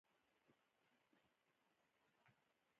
په خپلو خبر کي نرمي، زغم او تحمل کوئ!